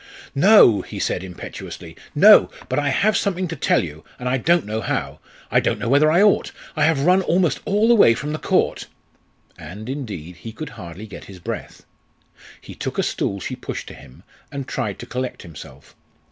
"No," he said impetuously, "no! But I have something to tell you, and I don't know how. I don't know whether I ought. I have run almost all the way from the Court." And, indeed, he could hardly get his breath. He took a stool she pushed to him, and tried to collect himself.